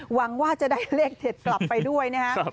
หวังว่าจะได้เลขเด็ดกลับไปด้วยนะครับ